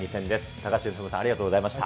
高橋由伸さん、ありがとうございました。